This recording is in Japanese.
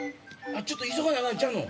ちょっと急がなアカンちゃうの？